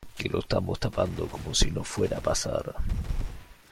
que lo estamos tapando como si no fuera a pasar